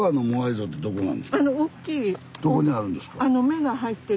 どこにあるんですか？